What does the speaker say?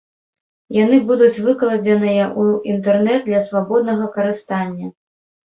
Яны будуць выкладзеныя ў інтэрнэт для свабоднага карыстання.